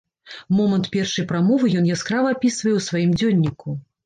Момант першай прамовы ён яскрава апісвае ў сваім дзённіку.